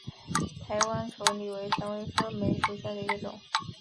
台湾稠李为蔷薇科梅属下的一个种。